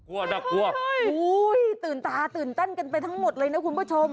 ว้าวดับโอ้โฮโอ้ยตื่นตาตื่นเต้นกันไปทั้งหมดเลยนะคุณผู้ชม